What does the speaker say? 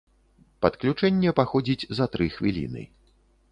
Падключэнне паходзіць за тры хвіліны.